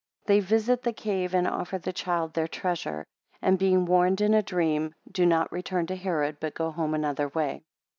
10 They visit the cave and offer the child their treasure, 11 and being warned in a dream, do not return to Herod, but go home another way.